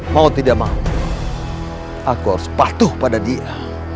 mau tidak mau aku harus patuh pada dia